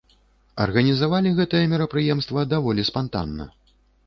Арганізавалі гэтае мерапрыемства даволі спантанна.